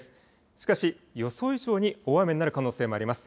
しかし、予想以上に大雨になる可能性もあります。